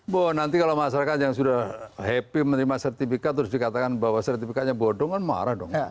bahwa nanti kalau masyarakat yang sudah happy menerima sertifikat terus dikatakan bahwa sertifikatnya bodong kan marah dong